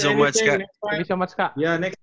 terima kasih banyak kak